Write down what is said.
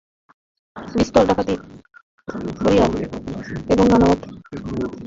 বিস্তর ডাকাডাকি করিয়া এবং নানামত আশ্বাস দিয়া যজ্ঞনাথ তাহাকে কতকটা আয়ত্ত করিয়া লইলেন।